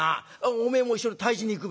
おめえも一緒に退治に行くべ？」。